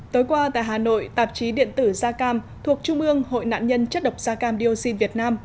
tối qua tại hà nội tạp chí điện tử gia cam thuộc trung ương hội nạn nhân chất độc gia cam điêu xin việt nam